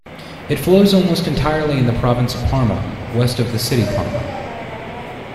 It flows almost entirely in the province of Parma, west of the city Parma.